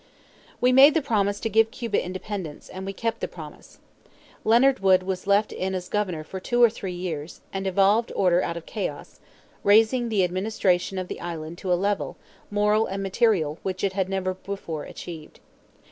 We made the promise to give Cuba independence; and we kept the promise. Leonard Wood was left in as Governor for two or three years, and evolved order out of chaos, raising the administration of the island to a level, moral and material, which it had never before achieved.